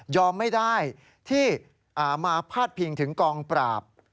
ยอมไม่ได้ที่มาภาษณ์พิงถึงกองปราบ